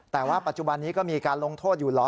แต่ว่าปัจจุบันนี้ก็มีการลงโทษอยู่เหรอ